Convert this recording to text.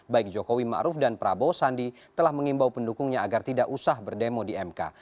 baik jokowi ⁇ maruf ⁇ dan prabowo sandi telah mengimbau pendukungnya agar tidak usah berdemo di mk